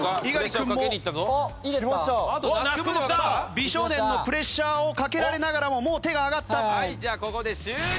美少年のプレッシャーをかけられながらももう手が挙がった。